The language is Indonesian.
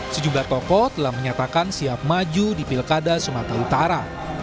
sejumlah tokoh telah menyatakan siap maju di pilkada sumatera utara